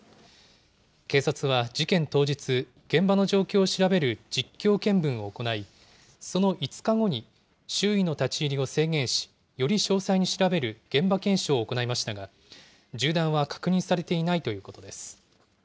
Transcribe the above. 警察は事件当日、現場の状況を調べる実況見分を行い、その５日後に周囲の立ち入りを制限し、より詳細に調べる現場検証を行いましたが、銃弾は確認されていないということです。